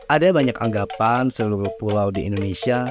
ada banyak anggapan seluruh pulau di indonesia